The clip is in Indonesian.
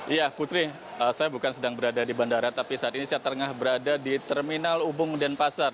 iya putri saya bukan sedang berada di bandara tapi saat ini saya terengah berada di terminal ubung denpasar